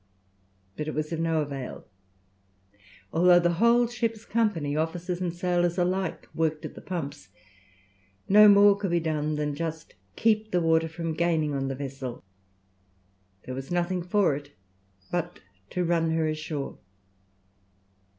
But it was of no avail. Although the whole ship's company, officers and sailors alike, worked at the pumps, no more could be done than just keep the water from gaining on the vessel. There was nothing for it but to run her ashore.